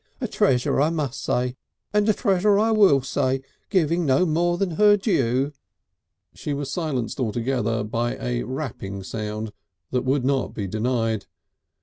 A treasure, I must say, and a treasure I will say, giving no more than her due...." She was silenced altogether by a rapping sound that would not be denied. Mr.